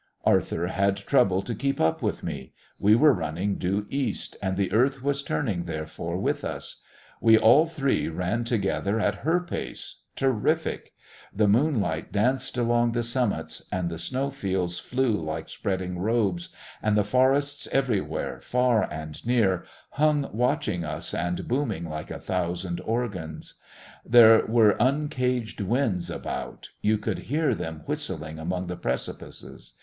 Arthur had trouble to keep up with me. We were running due east, and the Earth was turning, therefore, with us. We all three ran together at her pace terrific! The moonlight danced along the summits, and the snow fields flew like spreading robes, and the forests everywhere, far and near, hung watching us and booming like a thousand organs. There were uncaged winds about; you could hear them whistling among the precipices.